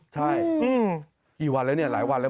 ใช่กี่วันแล้วเนี่ยหลายวันแล้ว